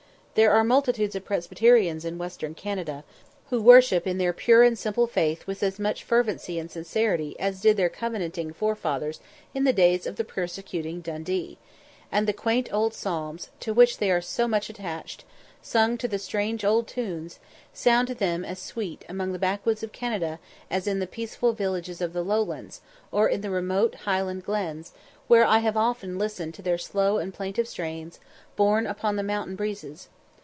There are multitudes of Presbyterians in Western Canada, who worship in their pure and simple faith with as much fervency and sincerity as did their covenanting forefathers in the days of the persecuting Dundee; and the quaint old Psalms, to which they are so much attached, sung to the strange old tunes, sound to them as sweet among the backwoods of Canada as in the peaceful villages of the Lowlands, or in the remote Highland glens, where I have often listened to their slow and plaintive strains borne upon the mountain breezes.